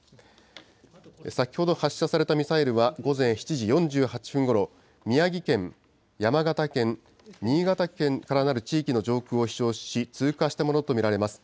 先ほど発射されたミサイルは、午前７時４８分ごろ、宮城県、山形県、新潟県からなる地域の上空を飛しょうし、通過したものと見られます。